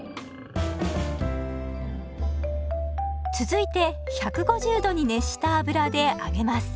続いて１５０℃に熱した油で揚げます。